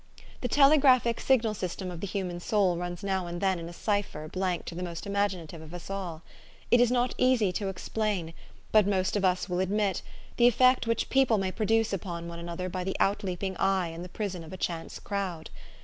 The telegraphic signal system of the human soul runs now and then in a cipher blank to the most imaginative of us all. It is not easy to explain, but most of us will admit, the effect which people may produce upon one another by the outleaping eye in the prison of a chance crowd.